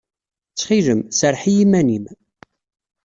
Ttxil-m, serreḥ i yiman-im.